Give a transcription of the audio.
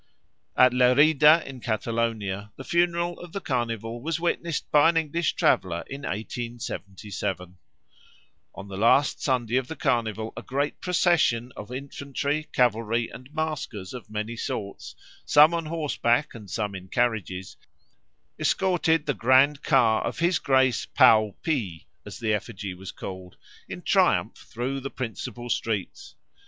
At Lerida, in Catalonia, the funeral of the Carnival was witnessed by an English traveller in 1877. On the last Sunday of the Carnival a grand procession of infantry, cavalry, and maskers of many sorts, some on horseback and some in carriages, escorted the grand car of His Grace Pau Pi, as the effigy was called, in triumph through the principal streets.